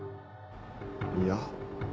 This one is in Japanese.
いや。